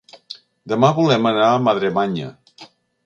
Demà volem anar a Madremanya.